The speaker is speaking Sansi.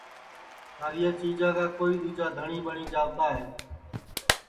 تھاریا چیجا کا کوئی دؔوجا دھٹؔی ٻٹؔی جاوت ہے